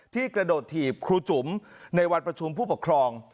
กระโดดถีบครูจุ๋มในวันประชุมผู้ปกครอง